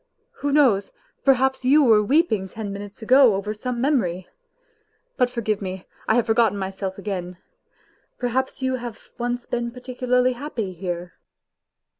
... Who knows, perhaps you were weeping ten minutes ago over some memory. ... But, forgive me, I have forgotten myself again ; perhaps you have once been particular!} 7 happy here.